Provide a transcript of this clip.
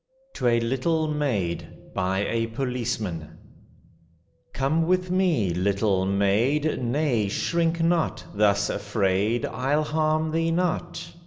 TO A LITTLE MAID BY A POLICEMAN COME with me, little maid, Nay, shrink not, thus afraid— I'll harm thee not!